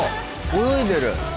泳いでる。